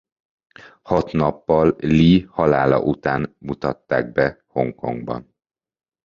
Hat nappal Lee halála után mutatták be Hongkongban.